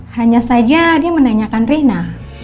hanya saja dia menanyakan rina